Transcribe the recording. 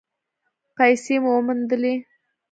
پیسې مو وموندلې؟